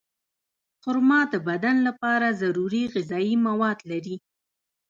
خرما د بدن لپاره ضروري غذایي مواد لري.